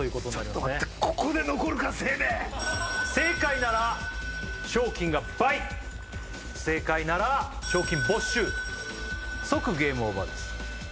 ちょっと待ってここで残るか盛名正解なら賞金が倍不正解なら賞金没収即ゲームオーバーです